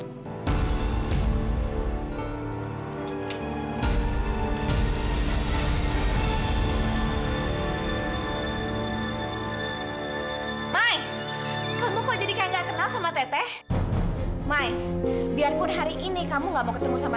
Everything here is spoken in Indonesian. hai kamu kok jadi kayak nggak kenal sama teteh mai biarpun hari ini kamu nggak mau ketemu sama